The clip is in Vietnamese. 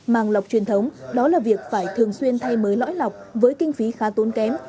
màng lọc truyền thống đó là việc phải thường xuyên thay mới lõi lọc với kinh phí khá tốn kém